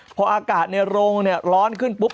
พออากาศในโรงร้อนขึ้นปุ๊บ